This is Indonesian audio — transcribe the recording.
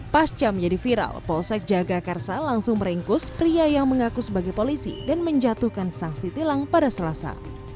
pas cam jadi viral polsek jakakarsa langsung merengkus pria yang mengakus sebagai polisi dan menjatuhkan sanksi tilang pada selasa